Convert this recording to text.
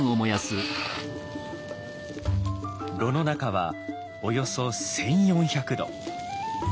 炉の中はおよそ１，４００度。